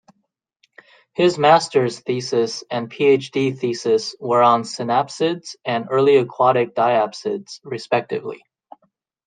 His Masters thesis and Ph.D. thesis were on synapsids and early aquatic diapsids respectively.